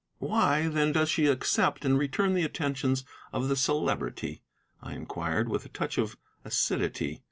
"Why, then, does she accept and return the attentions of the Celebrity?" I inquired, with a touch of acidity.